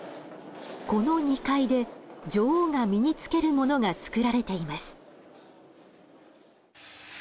この２階で女王が身につけるものが作られています。